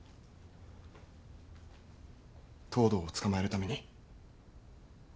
藤堂を捕まえるために。